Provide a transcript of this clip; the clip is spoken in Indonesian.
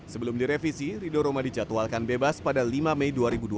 sebelum direvisi rido roma dicatwalkan bebas pada lima mei dua ribu dua puluh